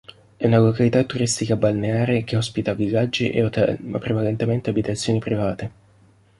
É una località turistica balneare che ospita villaggi e hotel, ma prevalentemente abitazioni private.